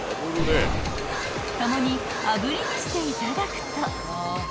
［共に炙りにしていただくと］